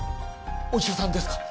お医者さんですか？